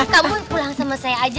kamu pulang sama saya aja